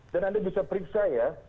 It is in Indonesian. anda bisa periksa ya